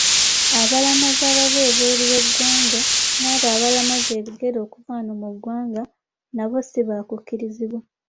Abalamazi abava ebweru w’eggwanga n’abo abalamaza ebigere okuva wano mu ggwanga, nabo sibaakukkirizibwa.